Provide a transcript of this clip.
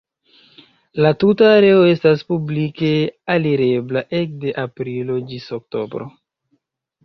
La tuta areo estas publike alirebla ekde aprilo ĝis oktobro.